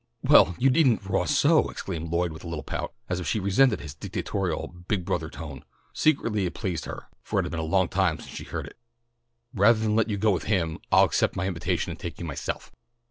"Well, you needn't ro'ah so," exclaimed Lloyd with a little pout, as if she resented his dictatorial, big brother tone. Secretly it pleased her, for it had been a long time since she had heard it. "Rather than let you go with him I'll accept my invitation and take you myself!"